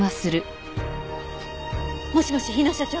もしもし日野所長？